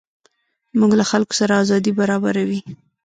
موټر له خلکو سره ازادي برابروي.